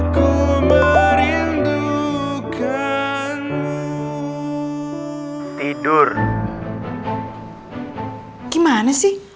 kamu harus berhenti